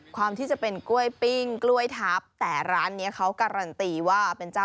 ความที่จะเป็นกล้วยปิ้งกล้วยทัพ